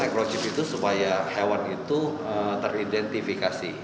microchip itu supaya hewan itu teridentifikasi